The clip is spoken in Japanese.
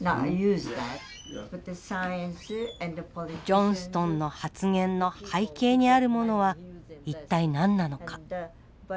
ジョンストンの発言の背景にあるものは一体何なのか。